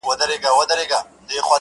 لاندي مځکه هره لوېشت ورته سقر دی!